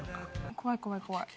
怖い怖い怖い。